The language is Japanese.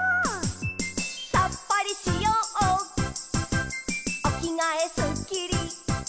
「さっぱりしようおきがえすっきり」